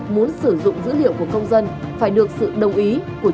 muốn sử dụng dữ liệu của công dân phải được sự đồng ý của